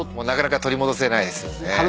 なかなか取り戻せないですよね。